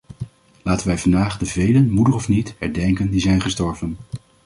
Laten wij vandaag de velen – moedig of niet – herdenken, die zijn gestorven.